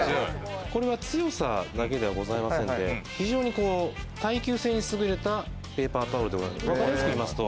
これは強さだけではございませんで、非常に耐久性にすぐれたペーパータオルでございます。